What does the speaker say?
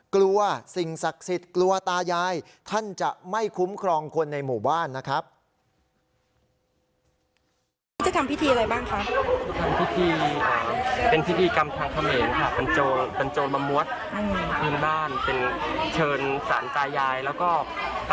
กลัวสิ่งศักดิ์สิทธิ์กลัวตายายท่านจะไม่คุ้มครองคนในหมู่บ้านนะครับ